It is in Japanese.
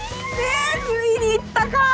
ついにいったか！